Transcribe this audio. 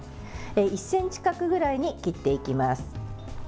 １ｃｍ角ぐらいに切っていきます。